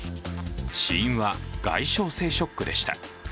死因は外傷性ショックでした。